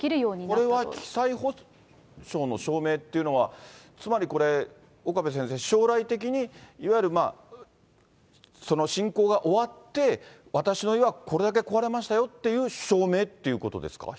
これは、被災補償の証明っていうのは、つまりこれ、岡部先生、将来的にいわゆる侵攻が終わって、私の家はこれだけ壊れましたよっていう証明っていうことですか？